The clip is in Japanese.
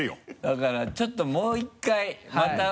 だからちょっともう１回また。